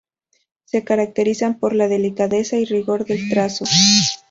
Se caracterizan por la delicadeza y rigor del trazo.